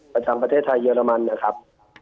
ประจำประเทศไทยเยอรมันนะครับ